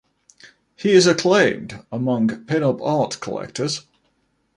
He is acclaimed among pin-up art collectors.